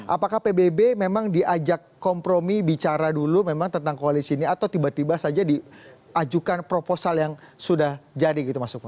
apakah pbb memang diajak kompromi bicara dulu memang tentang koalisi ini atau tiba tiba saja diajukan proposal yang sudah jadi gitu mas suku